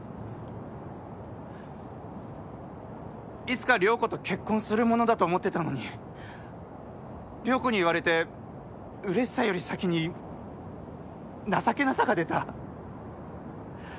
いつか亮子と結婚するものだと思ってたのに亮子に言われてうれしさより先に情けなさが出た。